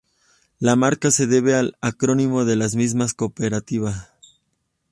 La marca se debe al acrónimo de las misma cooperativa.